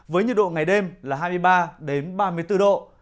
với nhiệt độ ngày đêm là hai mươi ba ba mươi bốn độ